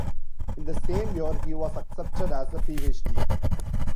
In the same year he was accepted as a PhD.